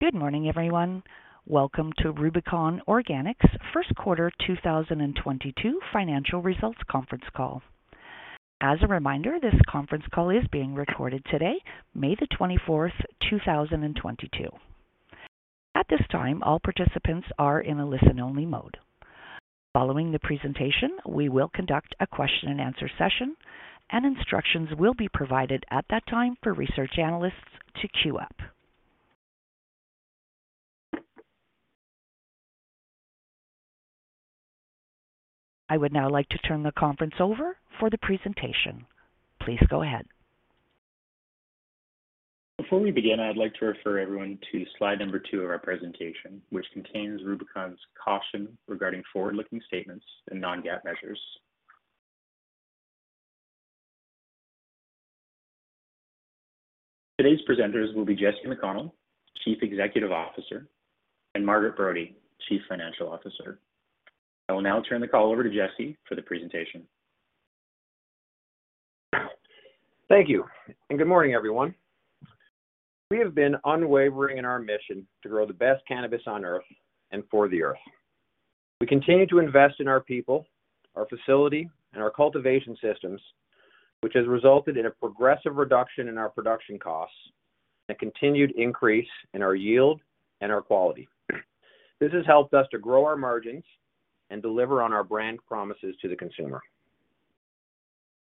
Good morning, everyone. Welcome to Rubicon Organics first quarter 2022 financial results conference call. As a reminder, this conference call is being recorded today, May 24th, 2022. At this time, all participants are in a listen-only mode. Following the presentation, we will conduct a question-and-answer session, and instructions will be provided at that time for research analysts to queue up. I would now like to turn the conference over for the presentation. Please go ahead. Before we begin, I'd like to refer everyone to slide number two of our presentation, which contains Rubicon's caution regarding forward-looking statements and non-GAAP measures. Today's presenters will be Jesse McConnell, Chief Executive Officer, and Margaret Brodie, Chief Financial Officer. I will now turn the call over to Jesse for the presentation. Thank you. Good morning, everyone. We have been unwavering in our mission to grow the best cannabis on Earth and for the Earth. We continue to invest in our people, our facility, and our cultivation systems, which has resulted in a progressive reduction in our production costs and a continued increase in our yield and our quality. This has helped us to grow our margins and deliver on our brand promises to the consumer.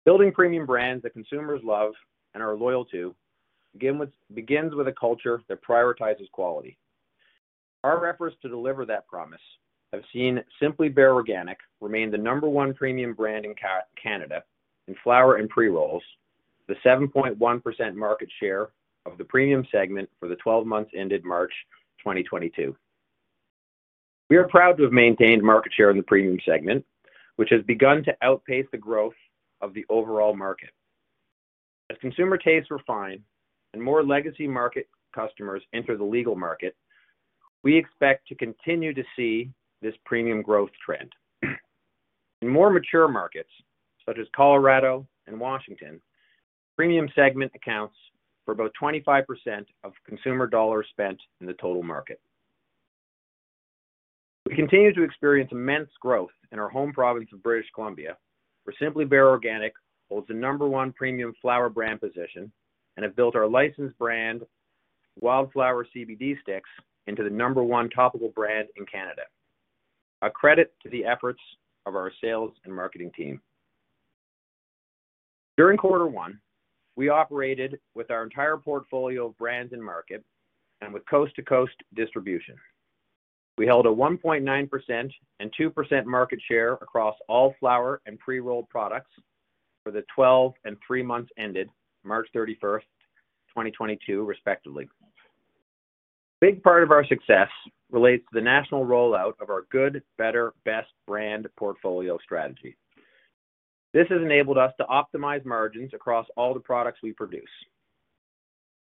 Building premium brands that consumers love and are loyal to begin with, begins with a culture that prioritizes quality. Our efforts to deliver that promise have seen Simply Bare Organic remain the number one premium brand in Canada in flower and pre-rolls, the 7.1% market share of the premium segment for the 12 months ended March 2022. We are proud to have maintained market share in the premium segment, which has begun to outpace the growth of the overall market. As consumer tastes refine and more legacy market customers enter the legal market, we expect to continue to see this premium growth trend. In more mature markets, such as Colorado and Washington, premium segment accounts for about 25% of consumer dollars spent in the total market. We continue to experience immense growth in our home province of British Columbia, where Simply Bare Organic holds the number one premium flower brand position and have built our licensed brand, Wildflower CBD Relief Stick, into the number one topical brand in Canada. A credit to the efforts of our sales and marketing team. During quarter one, we operated with our entire portfolio of brands and markets and with coast-to-coast distribution. We held a 1.9% and 2% market share across all flower and pre-rolled products for the 12 and three months ended March 31st, 2022, respectively. Big part of our success relates to the national rollout of our good better, best brand portfolio strategy. This has enabled us to optimize margins across all the products we produce.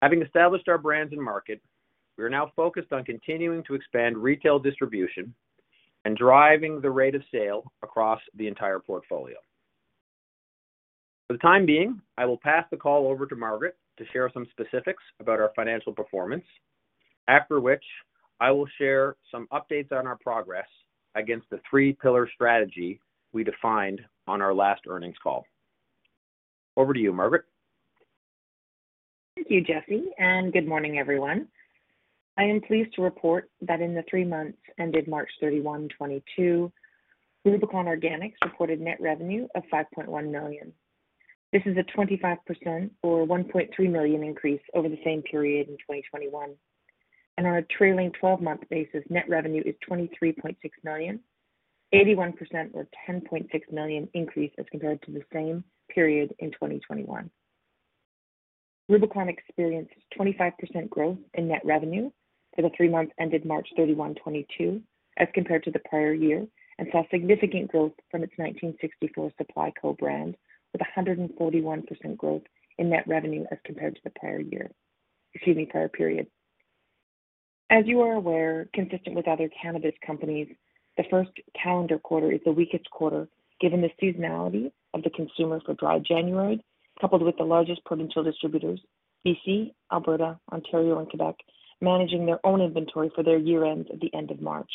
Having established our brands in market, we are now focused on continuing to expand retail distribution and driving the rate of sale across the entire portfolio. For the time being, I will pass the call over to Margaret to share some specifics about our financial performance, after which I will share some updates on our progress against the three-pillar strategy we defined on our last earnings call. Over to you, Margaret. Thank you, Jesse, and good morning, everyone. I am pleased to report that in the three months ended March 31, 2022, Rubicon Organics reported net revenue of 5.1 million. This is a 25% or 1.3 million increase over the same period in 2021. On a trailing 12-month basis, net revenue is 23.6 million, 81% or 10.6 million increase as compared to the same period in 2021. Rubicon experienced 25% growth in net revenue for the three months ended March 31, 2022, as compared to the prior year, and saw significant growth from its 1964 Supply Co. brand with a 141% growth in net revenue as compared to the prior year. Excuse me, prior period. As you are aware, consistent with other cannabis companies, the first calendar quarter is the weakest quarter given the seasonality of the consumer for dry January, coupled with the largest provincial distributors, BC, Alberta, Ontario, and Quebec, managing their own inventory for their year-end at the end of March.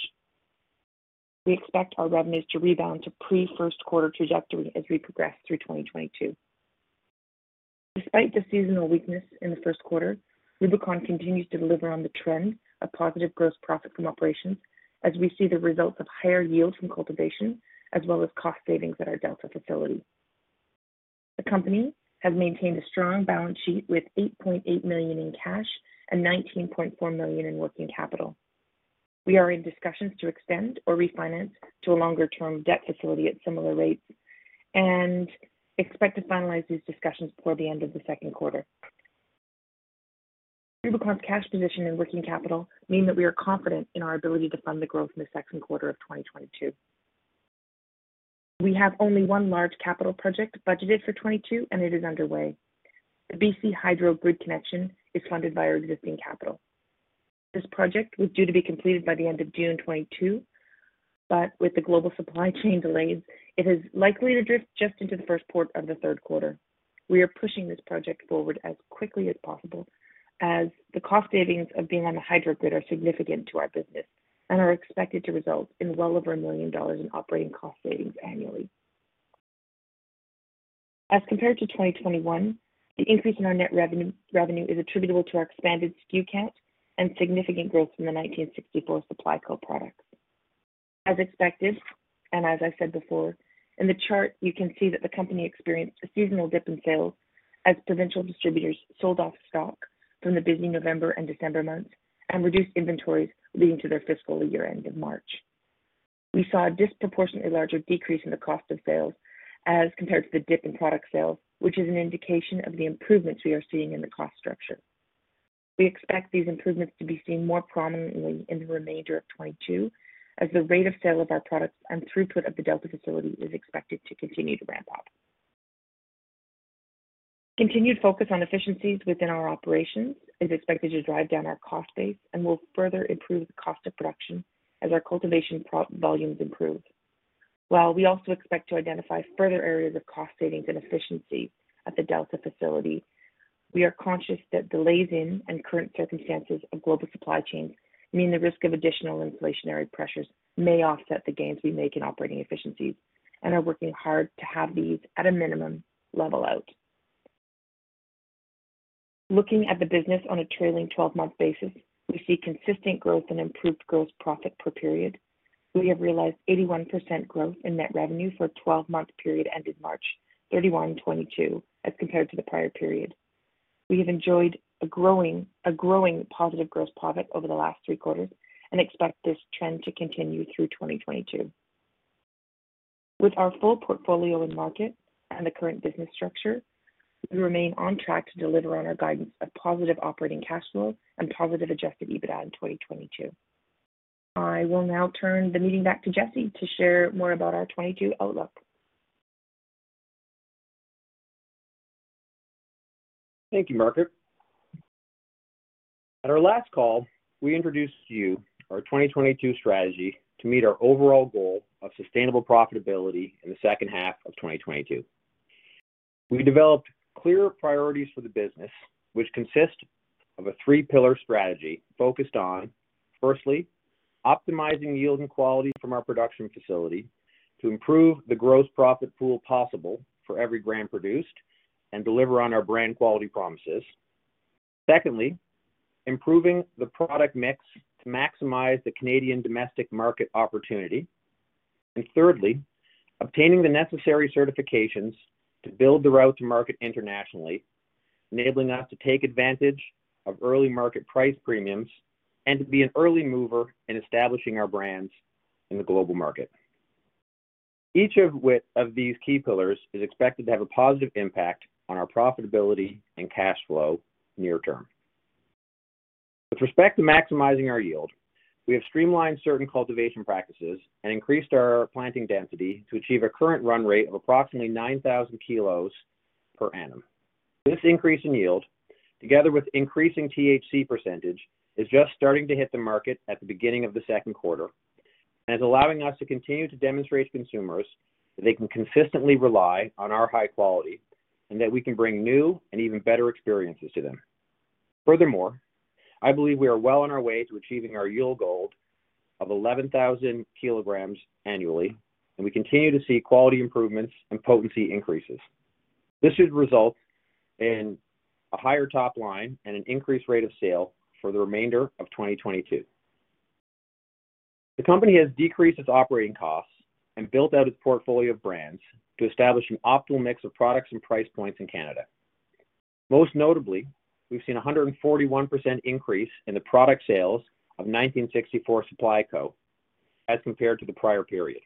We expect our revenues to rebound to pre-first quarter trajectory as we progress through 2022. Despite the seasonal weakness in the first quarter, Rubicon continues to deliver on the trend of positive gross profit from operations as we see the results of higher yields from cultivation as well as cost savings at our Delta facility. The company has maintained a strong balance sheet with 8.8 million in cash and 19.4 million in working capital. We are in discussions to extend or refinance to a longer-term debt facility at similar rates and expect to finalize these discussions before the end of the second quarter. Rubicon's cash position and working capital mean that we are confident in our ability to fund the growth in the second quarter of 2022. We have only one large capital project budgeted for 2022, and it is underway. The BC Hydro grid connection is funded by our existing capital. This project was due to be completed by the end of June 2022. With the global supply chain delays, it is likely to drift just into the third quarter. We are pushing this project forward as quickly as possible as the cost savings of being on the hydro grid are significant to our business and are expected to result in well over 1 million dollars in operating cost savings annually. As compared to 2021, the increase in our net revenue. Revenue is attributable to our expanded SKU count and significant growth in the 1964 Supply Co. products. As expected, and as I said before, in the chart you can see that the company experienced a seasonal dip in sales as provincial distributors sold off stock from the busy November and December months and reduced inventories leading to their fiscal year-end in March. We saw a disproportionately larger decrease in the cost of sales as compared to the dip in product sales, which is an indication of the improvements we are seeing in the cost structure. We expect these improvements to be seen more prominently in the remainder of 2022 as the rate of sale of our products and throughput of the Delta facility is expected to continue to ramp up. Continued focus on efficiencies within our operations is expected to drive down our cost base and will further improve the cost of production as our cultivation volumes improve. While we also expect to identify further areas of cost savings and efficiency at the Delta facility, we are conscious that delays and current circumstances of global supply chains mean the risk of additional inflationary pressures may offset the gains we make in operating efficiencies and are working hard to have these at a minimum level out. Looking at the business on a trailing 12-month basis, we see consistent growth and improved gross profit per period. We have realized 81% growth in net revenue for a 12-month period ended March 31, 2022, as compared to the prior period. We have enjoyed a growing positive gross profit over the last three quarters and expect this trend to continue through 2022. With our full portfolio in market and the current business structure, we remain on track to deliver on our guidance of positive operating cash flow and positive adjusted EBITDA in 2022. I will now turn the meeting back to Jesse to share more about our 2022 outlook. Thank you, Margaret. At our last call, we introduced to you our 2022 strategy to meet our overall goal of sustainable profitability in the second half of 2022. We developed clear priorities for the business, which consist of a three-pillar strategy focused on, firstly, optimizing yield and quality from our production facility to improve the gross profit pool possible for every brand produced and deliver on our brand quality promises. Secondly, improving the product mix to maximize the Canadian domestic market opportunity. Thirdly, obtaining the necessary certifications to build the route to market internationally, enabling us to take advantage of early market price premiums and to be an early mover in establishing our brands in the global market. Each of these key pillars is expected to have a positive impact on our profitability and cash flow near term. With respect to maximizing our yield, we have streamlined certain cultivation practices and increased our planting density to achieve a current run rate of approximately 9,000 k per annum. This increase in yield, together with increasing THC percentage, is just starting to hit the market at the beginning of the second quarter and is allowing us to continue to demonstrate to consumers that they can consistently rely on our high quality and that we can bring new and even better experiences to them. Furthermore, I believe we are well on our way to achieving our yield goal of 11,000 kg annually, and we continue to see quality improvements and potency increases. This should result in a higher top line and an increased rate of sale for the remainder of 2022. The company has decreased its operating costs and built out its portfolio of brands to establish an optimal mix of products and price points in Canada. Most notably, we've seen a 141% increase in the product sales of 1964 Supply Co. as compared to the prior period.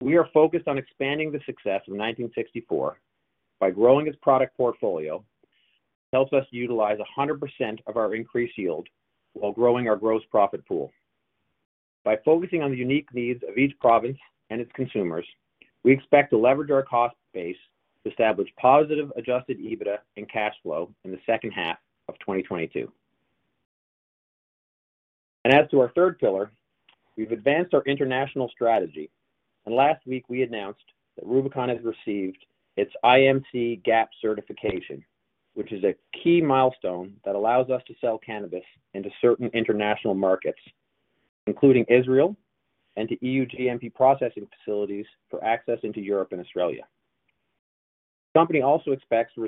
We are focused on expanding the success of 1964 by growing its product portfolio, which helps us utilize 100% of our increased yield while growing our gross profit pool. By focusing on the unique needs of each province and its consumers, we expect to leverage our cost base to establish positive adjusted EBITDA and cash flow in the second half of 2022. As to our third pillar, we've advanced our international strategy. Last week we announced that Rubicon has received its IMC-GAP certification, which is a key milestone that allows us to sell cannabis into certain international markets, including Israel and to EU GMP processing facilities for access into Europe and Australia. The company also expects to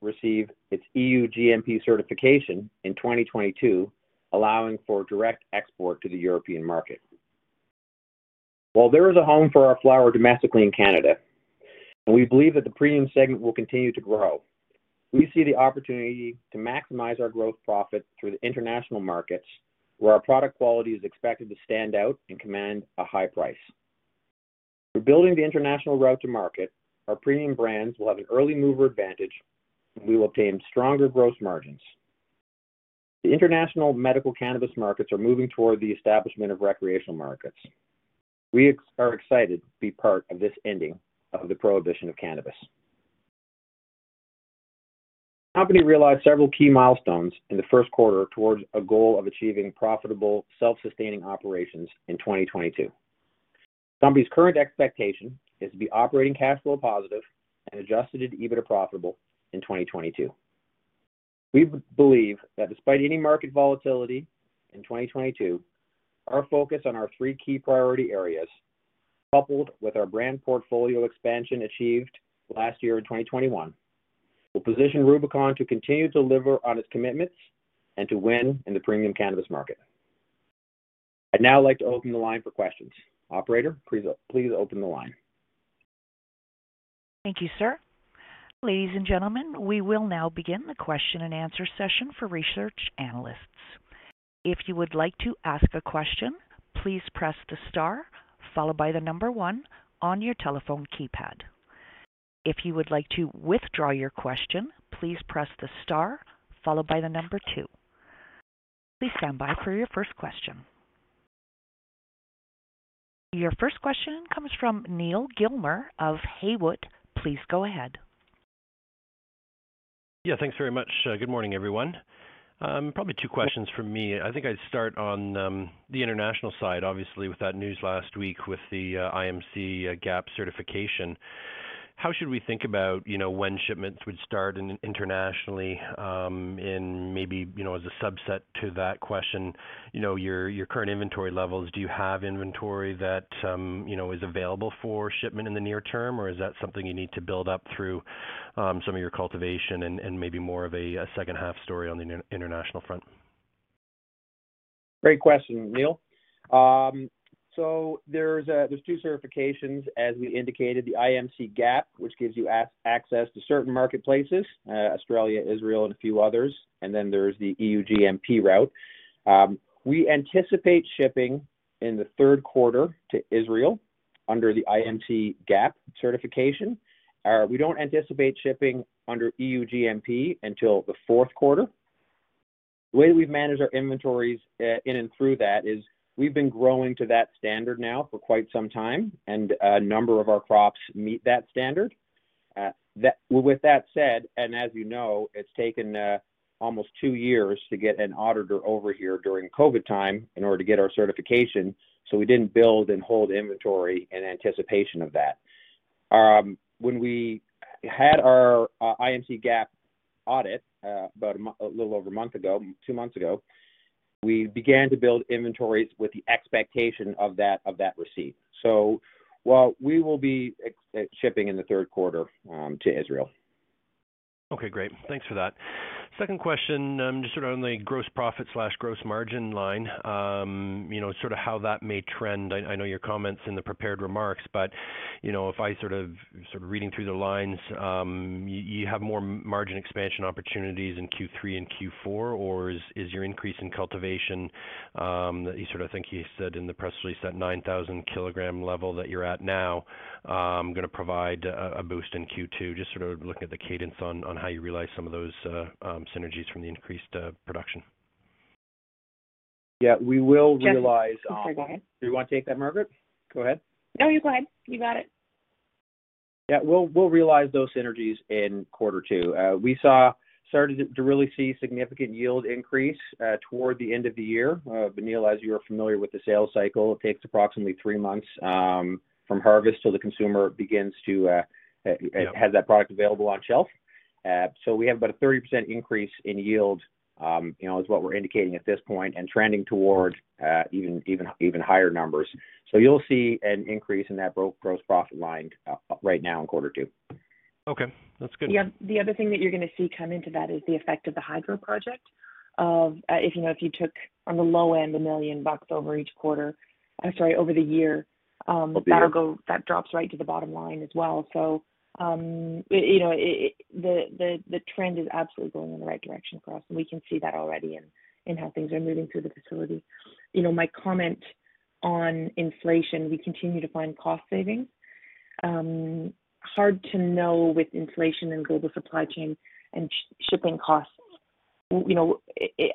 receive its EU GMP certification in 2022, allowing for direct export to the European market. While there is a home for our flower domestically in Canada, and we believe that the premium segment will continue to grow, we see the opportunity to maximize our growth profit through the international markets where our product quality is expected to stand out and command a high price. We're building the international route to market. Our premium brands will have an early mover advantage, and we will obtain stronger growth margins. The international medical cannabis markets are moving toward the establishment of recreational markets. We are excited to be part of this ending of the prohibition of cannabis. Company realized several key milestones in the first quarter towards a goal of achieving profitable self-sustaining operations in 2022. Company's current expectation is to be operating cash flow positive and adjusted EBITDA profitable in 2022. We believe that despite any market volatility in 2022, our focus on our three key priority areas, coupled with our brand portfolio expansion achieved last year in 2021, will position Rubicon to continue to deliver on its commitments and to win in the premium cannabis market. I'd now like to open the line for questions. Operator, please open the line. Thank you, sir. Ladies and gentlemen, we will now begin the question-and-answer session for research analysts. If you would like to ask a question, please press the star followed by the number one on your telephone keypad. If you would like to withdraw your question, please press the star followed by the number two. Please stand by for your first question. Your first question comes from Neal Gilmer of Haywood. Please go ahead. Yeah, thanks very much. Good morning, everyone. Probably two questions from me. I think I'd start on the international side, obviously with that news last week with the IMC-GAP certification. How should we think about, you know, when shipments would start internationally, in maybe, you know, as a subset to that question, you know, your current inventory levels, do you have inventory that, you know, is available for shipment in the near term? Or is that something you need to build up through some of your cultivation and maybe more of a second half story on the international front? Great question, Neal. There're two certifications, as we indicated, the IMC-GAP, which gives you access to certain marketplaces, Australia, Israel, and a few others. There's the EU GMP route. We anticipate shipping in the third quarter to Israel under the IMC-GAP certification. We don't anticipate shipping under EU GMP until the fourth quarter. The way we've managed our inventories in and through that is we've been growing to that standard now for quite some time, and a number of our crops meet that standard. With that said, and as you know, it's taken almost two years to get an auditor over here during COVID time in order to get our certification, so we didn't build and hold inventory in anticipation of that. When we had our IMC-GAP audit about a little over a month ago, two months ago, we began to build inventories with the expectation of that receipt. While we will be shipping in the third quarter to Israel. Okay, great. Thanks for that. Second question, just around the gross profit/gross margin line, you know, sort of how that may trend. I know your comments in the prepared remarks, but, you know, if I sort of reading through the lines, you have more margin expansion opportunities in Q3 and Q4, or is your increase in cultivation, you sort of think you said in the press release that 9,000 kg level that you're at now, going to provide a boost in Q2, just sort of looking at the cadence on how you realize some of those synergies from the increased production? Yeah. We will realize. Jesse, I'm sorry, go ahead. Do you want to take that, Margaret? Go ahead. No, you go ahead. You got it. Yeah. We'll realize those synergies in quarter two. We started to really see significant yield increase toward the end of the year. Neal, as you are familiar with the sales cycle, it takes approximately three months from harvest till the consumer begins to. Yeah. Has that product available on shelf. We have about a 30% increase in yield, you know, is what we're indicating at this point and trending towards even higher numbers. You'll see an increase in that gross profit line, right now in quarter two. Okay, that's good. The other thing that you're going to see come into that is the effect of the hydro project. If, you know, if you took on the low-end 1 million bucks over each quarter, I'm sorry, over the year. Yeah. that'll go, that drops right to the bottom line as well. You know, the trend is absolutely going in the right direction for us, and we can see that already in how things are moving through the facility. You know, my comment on inflation, we continue to find cost savings. Hard to know with inflation and global supply chain and shipping costs. You know,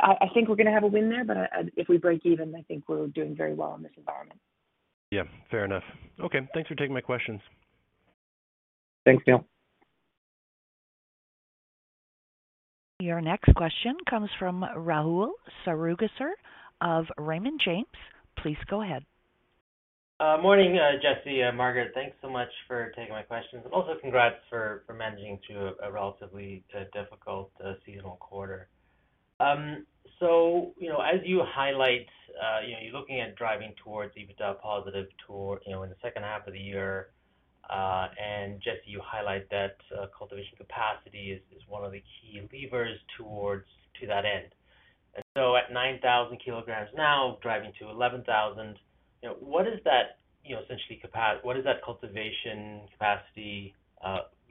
I think we're going to have a win there, but if we break even, I think we're doing very well in this environment. Yeah, fair enough. Okay. Thanks for taking my questions. Thanks, Neal. Your next question comes from Rahul Sarugaser of Raymond James. Please go ahead. Morning, Jesse and Margaret. Thanks so much for taking my questions. Also, congrats for managing through a relatively difficult seasonal quarter. You know, as you highlight, you know, you're looking at driving toward EBITDA positivity, you know, in the second half of the year. Jesse, you highlight that cultivation capacity is one of the key levers toward that end. At 9,000 kg now driving to 11,000, you know, what does that cultivation capacity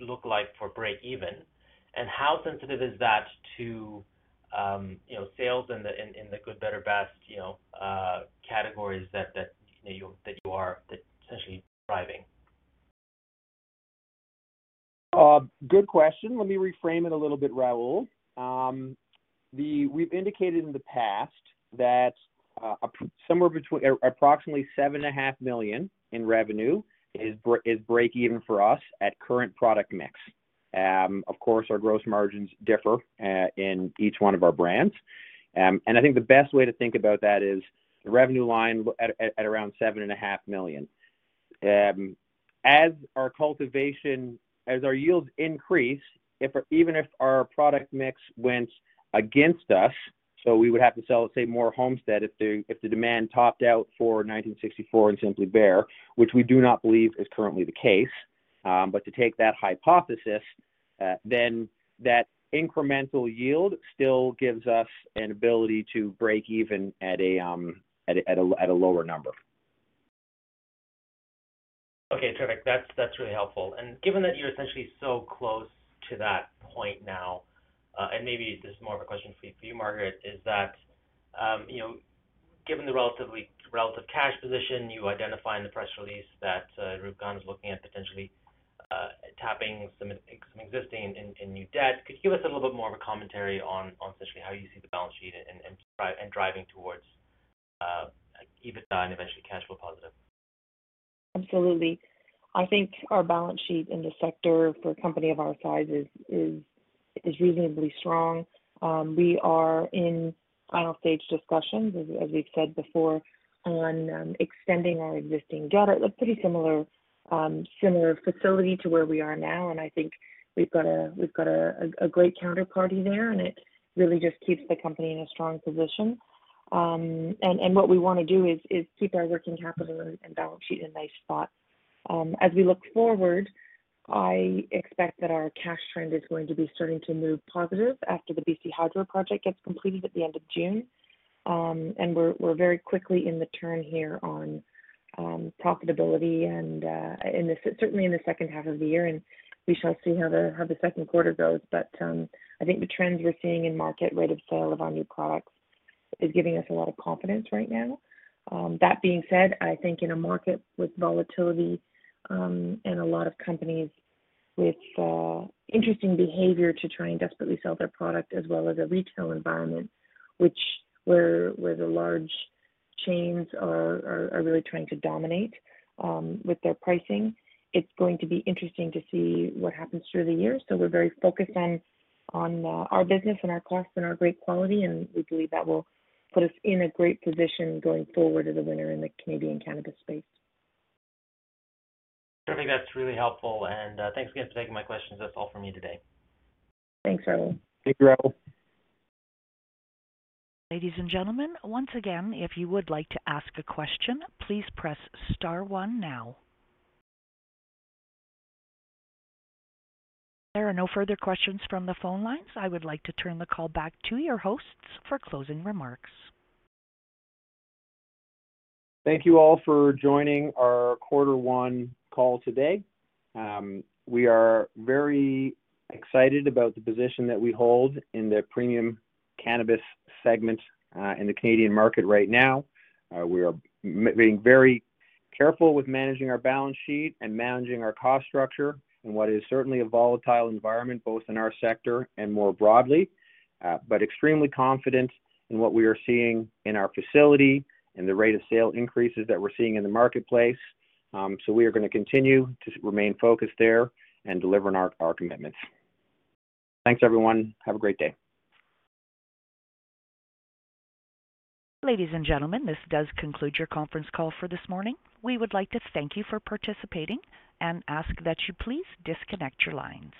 look like for break-even? How sensitive is that to, you know, sales in the good, better, best, you know, categories that you're essentially driving? Good question. Let me reframe it a little bit, Rahul. We've indicated in the past that approximately 7.5 million in revenue is breakeven for us at current product mix. Of course, our gross margins differ in each one of our brands. I think the best way to think about that is the revenue line at around 7.5 million. As our yields increase, even if our product mix went against us, we would have to sell, let's say, more Homestead if the demand topped out for 1964 and Simply Bare, which we do not believe is currently the case. To take that hypothesis, then that incremental yield still gives us an ability to break even at a lower number. Okay, terrific. That's really helpful. Given that you're essentially so close to that point now, and maybe this is more of a question for you, Margaret, is that you know, given the relative cash position you identify in the press release that Rubicon is looking at potentially tapping some existing and new debt. Could you give us a little bit more of a commentary on essentially how you see the balance sheet and driving towards EBITDA and eventually cash flow positive? Absolutely. I think our balance sheet in the sector for a company of our size is reasonably strong. We are in final stage discussions, as we've said before, on extending our existing debt. A pretty similar facility to where we are now, and I think we've got a great counterparty there, and it really just keeps the company in a strong position. What we wanna do is keep our working capital and balance sheet in a nice spot. As we look forward, I expect that our cash trend is going to be starting to move positive after the BC Hydro project gets completed at the end of June. We're very quickly in the turn here on profitability and in the... Certainly, in the second half of the year, and we shall see how the second quarter goes. I think the trends we're seeing in market rate of sale of our new products is giving us a lot of confidence right now. That being said, I think in a market with volatility, and a lot of companies with interesting behavior to try and desperately sell their product, as well as a retail environment, where the large chains are really trying to dominate with their pricing, it's going to be interesting to see what happens through the year. We're very focused on our business and our costs and our great quality, and we believe that will put us in a great position going forward as a winner in the Canadian cannabis space. I think that's really helpful, and thanks again for taking my questions. That's all from me today. Thanks, Rahul. Thank you, Rahul. Ladies and gentlemen, once again, if you would like to ask a question, please press star one now. There are no further questions from the phone lines. I would like to turn the call back to your hosts for closing remarks. Thank you all for joining our quarter one call today. We are very excited about the position that we hold in the premium cannabis segment in the Canadian market right now. We are being very careful with managing our balance sheet and managing our cost structure in what is certainly a volatile environment, both in our sector and more broadly, but extremely confident in what we are seeing in our facility and the rate of sale increases that we're seeing in the marketplace. We are gonna continue to remain focused there and deliver on our commitments. Thanks, everyone. Have a great day. Ladies and gentlemen, this does conclude your conference call for this morning. We would like to thank you for participating and ask that you please disconnect your lines.